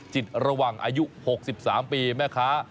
จิตระวังอายุ๖๓ปีแม่ค้า